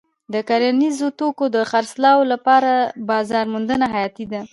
د کرنیزو توکو د خرڅلاو لپاره بازار موندنه حیاتي ده.